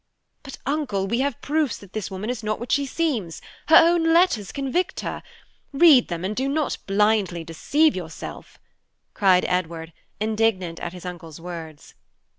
"But, Uncle, we have proofs that this woman is not what she seems. Her own letters convict her. Read them, and do not blindly deceive yourself," cried Edward, indignant at his uncle's words.